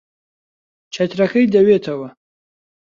چەترەکەی دەوێتەوە.